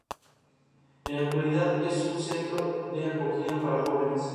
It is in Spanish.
En la actualidad es un centro de acogida para jóvenes.